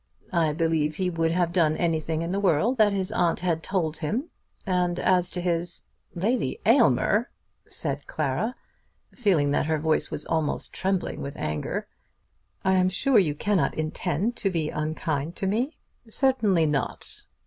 I believe he would have done anything in the world that his aunt had told him; and as to his " "Lady Aylmer!" said Clara, feeling that her voice was almost trembling with anger, "I am sure you cannot intend to be unkind to me?" "Certainly not."